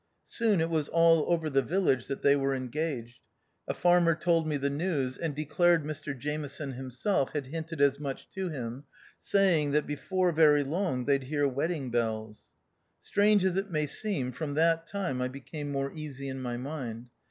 Soon it was all over the village that they were engaged. A farmer told me the news, and declared Mr Jameson himself had hinted as much to him, saying, that before very long they'd hear wedding bells. Strange as it may seem, from that time I became more easy in my mind.